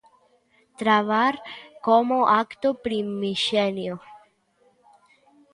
Trabar como acto primixenio.